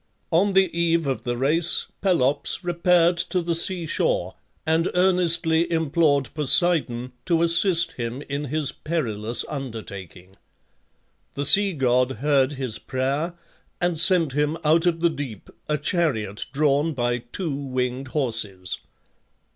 On the eve of the race, Pelops repaired to the sea shore and earnestly implored Poseidon to assist him in his perilous undertaking. The sea god heard his prayer, and sent him out of the deep a chariot drawn by two winged horses.